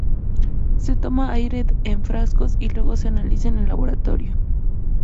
Se toma aire en frascos y luego se analiza en el laboratorio.